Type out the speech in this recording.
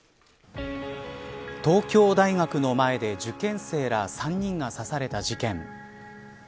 東京大学の前で受験生ら３人が刺された事件。